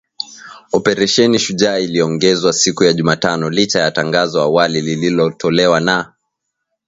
Operesheni Shujaa iliongezwa siku ya Jumatano licha ya tangazo la awali lililotolewa na